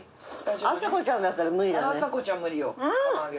あさこちゃんだったら無理だね。